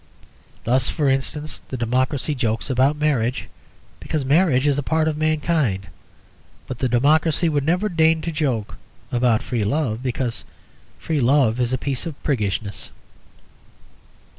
Thus, for instance, the democracy jokes about marriage, because marriage is a part of mankind. But the democracy would never deign to joke about Free Love, because Free Love is a piece of priggishness.